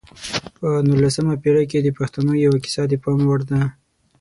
په نولسمه پېړۍ کې د پښتنو یوه کیسه د پام وړ ده.